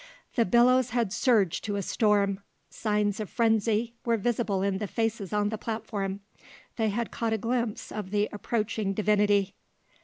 The billows had surged to a storm. Signs of frenzy were visible in the faces on the platform. They had caught a glimpse of the approaching divinity.